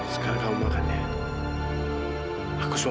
setidaknya aku mau sembuh